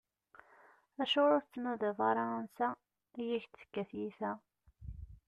Acuɣeṛ ur tettnadiḍ ara ansa i ak-d-tekka tyita?